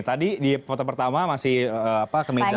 tadi di foto pertama masih apa kemeja